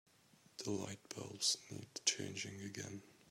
The lightbulbs need changing again.